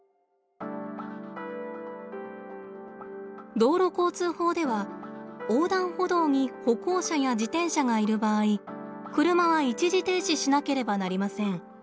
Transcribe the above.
道路交通法では横断歩道に歩行者や自転車がいる場合車は一時停止しなければなりません。